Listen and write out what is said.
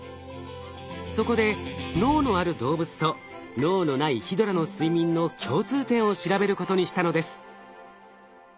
そこで脳のある動物と脳のないヒドラの睡眠の共通点を調べることにしたのです。